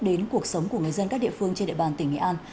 đến cuộc sống của người dân các địa phương trên địa bàn tỉnh nghệ an